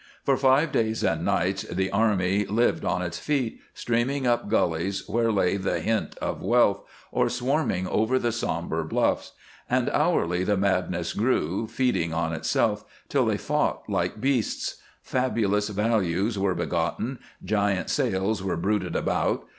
For five days and nights the army lived on its feet, streaming up gullies where lay the hint of wealth or swarming over the somber bluffs; and hourly the madness grew, feeding on itself, till they fought like beasts. Fabulous values were begotten. Giant sales were bruited about.